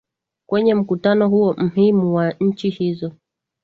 kwenye mkutano huo mhimu kwa nchi hizo